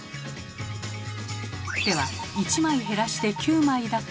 では１枚減らして９枚だと。